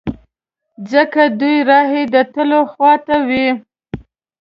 ځکه دوه رایې د تلو خواته وې.